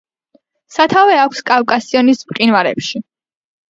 სათავე აქვს კავკასიონის მყინვარებში.